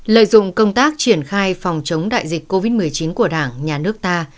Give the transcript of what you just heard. lợi dụng công tác triển khai phòng chống đại dịch covid một mươi chín của đảng nhà nước ta